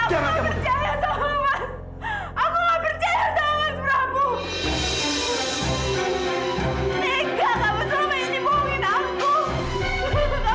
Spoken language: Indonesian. enggak aku gak percaya sama mas